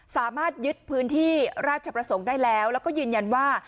สามารถยึดพื้นที่ราชประสงค์ได้แล้วแล้วก็ยืนยันว่า